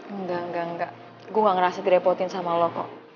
enggak enggak enggak gue gak ngerasa direpotin sama lo kok